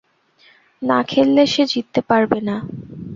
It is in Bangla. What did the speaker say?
না খেললে, সে জিততে পারবে না।